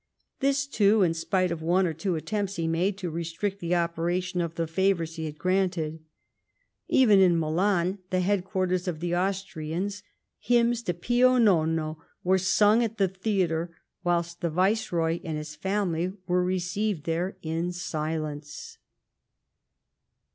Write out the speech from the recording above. This, too, in spite of one or two attempts he made to restrict the operation of the favours he had granted. Even in Milan, the headquarters of the Austrlans, hymns to Pio Nono were sung at the theatre, whilst the Viceroy and his family were received there in silence.